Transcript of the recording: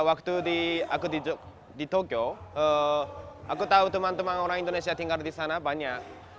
waktu aku di tokyo aku tahu teman teman orang indonesia tinggal di sana banyak